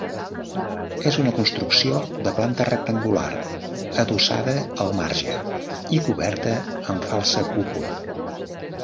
És una construcció de planta rectangular, adossada al marge i coberta amb falsa cúpula.